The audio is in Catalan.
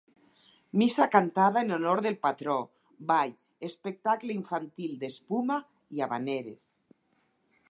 Missa cantada en honor del patró, ball, espectacle infantil d'espuma i havaneres.